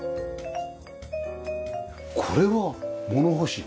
これは物干し？